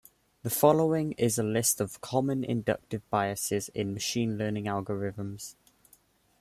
The following is a list of common inductive biases in machine learning algorithms.